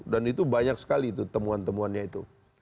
dan itu banyak sekali itu temuan temuannya itu